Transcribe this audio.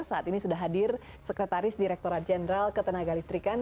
saat ini sudah hadir sekretaris direkturat jenderal ketenaga listrikan